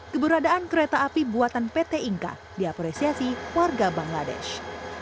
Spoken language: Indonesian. keberadaan kereta api buatan pt inka diapresiasi warga bangladesh